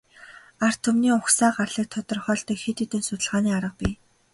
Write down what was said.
Ард түмний угсаа гарлыг тодорхойлдог хэд хэдэн судалгааны арга бий.